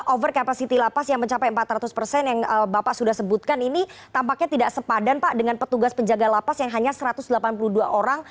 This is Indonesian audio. over capacity lapas yang mencapai empat ratus persen yang bapak sudah sebutkan ini tampaknya tidak sepadan pak dengan petugas penjaga lapas yang hanya satu ratus delapan puluh dua orang